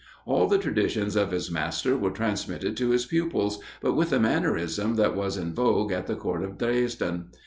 All the traditions of his master were transmitted to his pupils, but with the mannerism that was in vogue at the Court of Dresden.